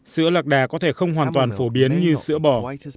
sữa lạc đà có thể không hoàn toàn phổ biến như sữa bò